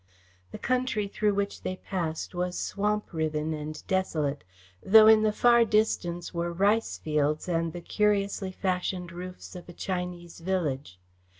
The country through which they passed was swamp riven and desolate, though in the far distance were rice fields and the curiously fashioned roofs of a Chinese village.